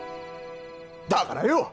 だからよ！